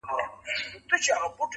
په زر چنده مرگ بهتره دی.